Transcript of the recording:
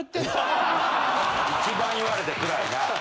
一番言われてつらいな。